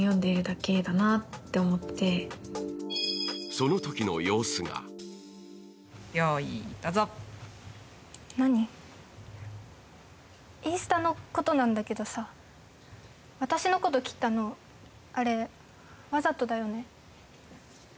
そのときの様子がインスタのことなんだけど、私のこと切ったの、あれわざとだよね？